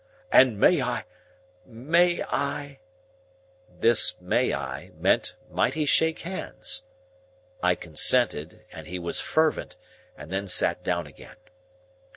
And may I—may I—?" This May I, meant might he shake hands? I consented, and he was fervent, and then sat down again.